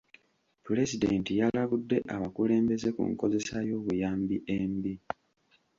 Pulezidenti yalabudde abakulembeze ku nkozesa y'obuyambi embi.